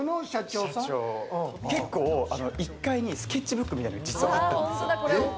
結構、１階にスケッチブックみたいなのが実はあったんですよ。